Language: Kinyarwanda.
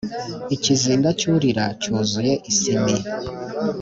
ikizinga cy’urira cyuzuye isimi